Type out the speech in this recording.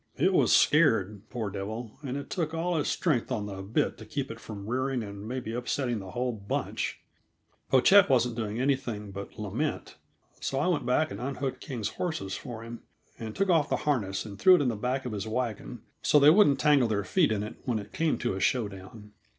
It was scared, poor devil, and it took all his strength on the bit to keep it from rearing and maybe upsetting the whole bunch. Pochette wasn't doing anything but lament, so I went back and unhooked King's horses for him, and took off the harness and threw it in the back of his wagon so they wouldn't tangle their feet in it when it came to a show down.